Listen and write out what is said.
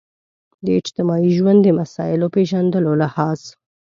د اجتماعي ژوند د مسایلو پېژندلو لحاظ.